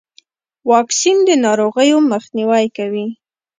واکسین د ناروغیو مخنیوی کوي.